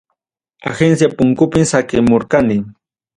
Agencia punkupim saqemurqani.